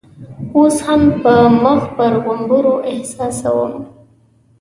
اوس هم د مخ پر غومبرو احساسوم.